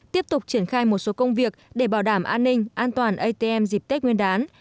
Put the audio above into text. tiếp tục triển khai một số công việc để bảo đảm an ninh an toàn atm dịp tết nguyên đán